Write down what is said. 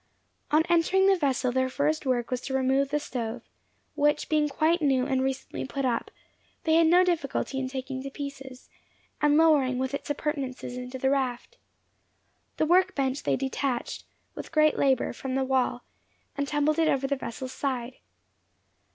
On entering the vessel their first work was to remove the stove; which being quite new and recently put up, they had no difficulty in taking to pieces, and lowering, with its appurtenances, into the raft. The work bench they detached, with great labour, from the wall, and tumbled it over the vessel's side.